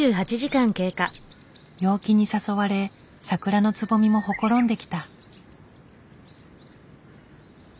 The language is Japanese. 陽気に誘われ桜のつぼみもほころんできた。